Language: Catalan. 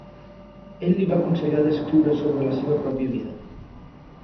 Ell li va aconsellar d'escriure sobre la seva pròpia vida.